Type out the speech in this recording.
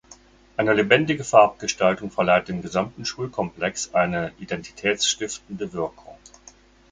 Eine lebendige Farbgestaltung verleiht dem gesamten Schulkomplex eine identitätsstiftende Wirkung.